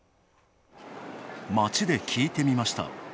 街で聞いてみました。